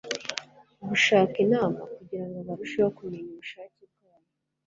gushaka imana kugira ngo barusheho kumenya ubushake bwayo